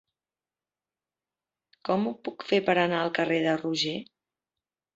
Com ho puc fer per anar al carrer de Roger?